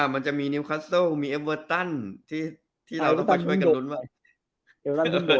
มันจะมีนิวคัสเซิลมีเอฟเวอร์ตันที่เราต้องมาช่วยกันลุ้นว่า